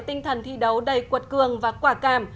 tinh thần thi đấu đầy cuột cường và quả cảm